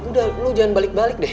udah lu jangan balik balik deh